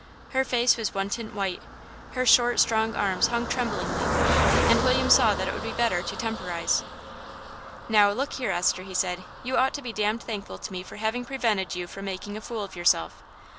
Her face was one white tint, her short, strong arms hung tremblingly, and William saw that it would be better to temporise. "Now look here, Esther," he said, "you ought to be damned thankful to me for having prevented you from making a fool of yourself."